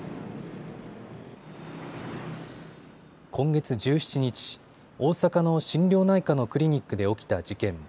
今月１７日、大阪の心療内科のクリニックで起きた事件。